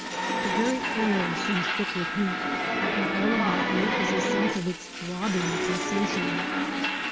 The very air seems thick with heat, and all about you is a sense of its throbbing pulsation.